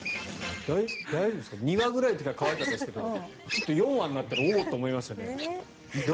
大丈夫ですか２羽ぐらいの時は可愛かったですけどちょっと４羽になったらおお！と思いますよね。